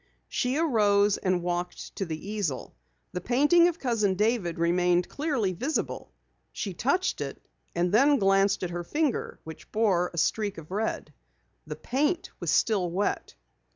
She arose and walked to the easel. The painting of Cousin David remained clearly visible. She touched it and then glanced at her finger which bore a streak of red. The paint was still wet.